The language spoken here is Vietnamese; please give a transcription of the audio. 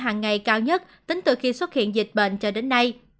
các bệnh nhân đã ghi nhận tính từ khi xuất hiện dịch bệnh cho đến nay